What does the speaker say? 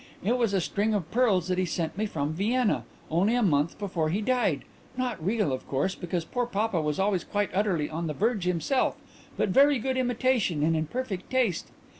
It was a string of pearls that he sent me from Vienna, only a month before he died; not real, of course, because poor papa was always quite utterly on the verge himself, but very good imitation and in perfect taste.